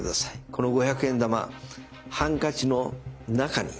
この五百円玉ハンカチの中に。